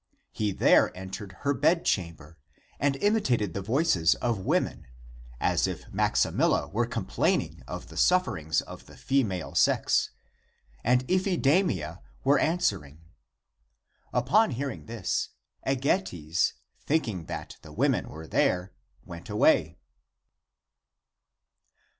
He there entered her bedchamber and imitated the voices of women, as if Maximilla were complaining of the suf ferings of the female sex and Iphidamia were an swering. Upon hearing this, Egetes, thinking that the women were there, went away.